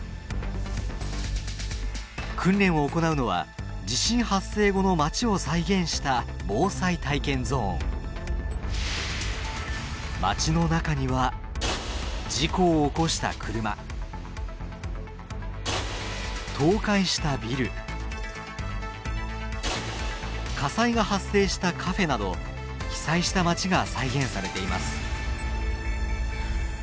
訓練を行うのは地震発生後の街を再現した街の中には事故を起こした車倒壊したビル火災が発生したカフェなど被災した街が再現されています。